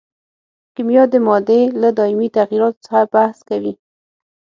کیمیا د مادې له دایمي تغیراتو څخه بحث کوي.